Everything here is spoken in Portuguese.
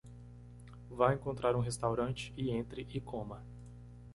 Vá encontrar um restaurante e entre e coma